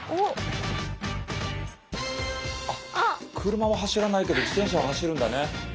車は走らないけど自転車は走るんだね。